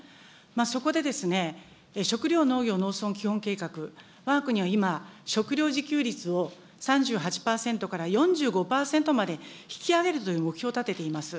そこでですね、食料農業農村基本計画、わが国は今、食料自給率を３８％から４５％まで引き上げるという目標を立てています。